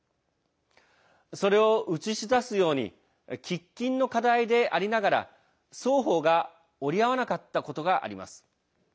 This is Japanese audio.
それを映し出すように喫緊の課題でありながら双方が折り合わなかったことがあります。